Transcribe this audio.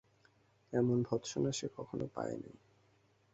এমন ভর্ৎসনা সে কখনো পায় নাই।